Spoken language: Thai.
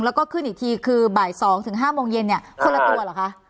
แล้วก็ขึ้นอีกทีคือบ่าย๒๕โมงเย็นเนี่ยคนละตัวเหรอคะ